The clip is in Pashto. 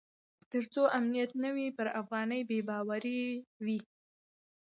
تر څو امنیت نه وي پر افغانۍ بې باوري وي.